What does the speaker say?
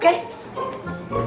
kenapa sih sob